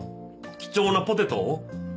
貴重なポテトを？